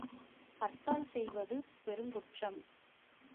ஹர்த்தால் செய்வது பெருங்குற்றம்.